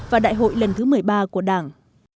và đại hội lần thứ một mươi ba của đảng